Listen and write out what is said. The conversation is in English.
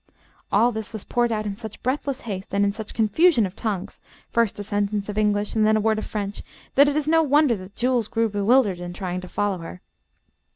All this was poured out in such breathless haste, and in such a confusion of tongues, first a sentence of English and then a word of French, that it is no wonder that Jules grew bewildered in trying to follow her.